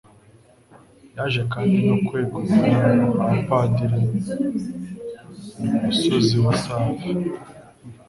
Yaje kandi no kwegurira abapadiri umusozi wa Save